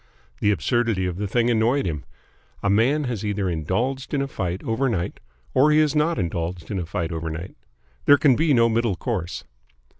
The absurdity of the thing annoyed him. A man has either indulged in a fight overnight or he has not indulged in a fight overnight. There can be no middle course.